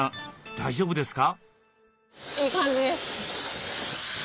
大丈夫ですか？